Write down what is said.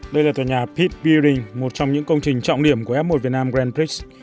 đây là tòa nhà pet beardeing một trong những công trình trọng điểm của f một việt nam grand prix